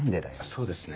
そうですね。